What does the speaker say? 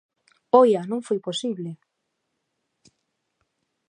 ¡Oia, non foi posible!